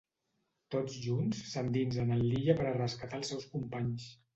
Tots junts s'endinsen en l'illa per a rescatar els seus companys.